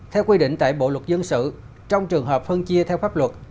theo quy định tại bộ luật dân sự trong trường hợp phân chia theo pháp luật